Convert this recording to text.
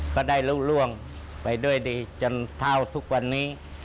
ก็ได้รู้ล่วงไปด้วยดีจนเท่าทุกวันนี้